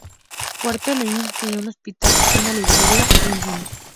Puerto Leith tenía un hospital, una librería y un cine.